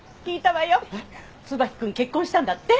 椿君結婚したんだって？